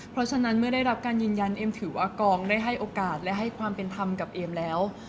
เพราะฉะนั้นเมื่อได้รับการยืนยันเอมถือว่ากองได้ให้โอกาสและให้ความเป็นธรรมกับเอมแล้ว